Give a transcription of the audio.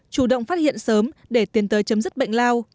chủ động phát hiện sớm để tiến tới chấm dứt bệnh lao